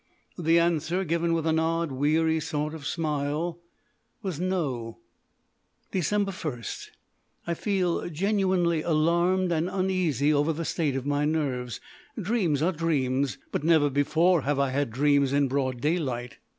The answer, given with an odd, weary sort of smile, was "No!" Dec. 1. I feel genuinely alarmed and uneasy over the state of my nerves. Dreams are dreams, but never before have I had dreams in broad daylight.